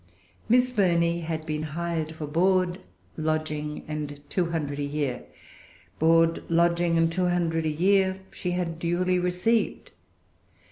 Miss Burney had been hired for board, lodging, and two hundred a year. Board, lodging, and two hundred a year, she had duly received.